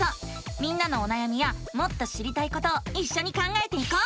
みんなのおなやみやもっと知りたいことをいっしょに考えていこう！